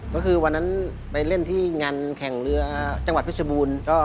ก็คือวันนั้นไปเล่นที่งานแข่งเรือจังหวัดเพชรบูรณ์